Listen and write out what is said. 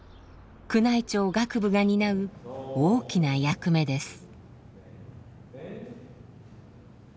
宮内庁楽部が担う大きな役目です。